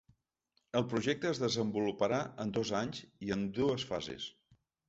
El projecte es desenvoluparà en dos anys i amb dues fases.